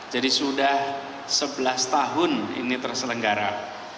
jadi sudah sebelas tahun ini terselenggarakan